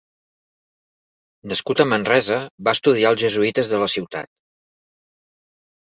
Nascut a Manresa, va estudiar als Jesuïtes de la ciutat.